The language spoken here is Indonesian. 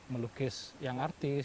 melukis yang artis